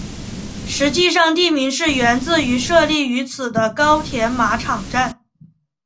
实际上地名是源自于设立于此的高田马场站。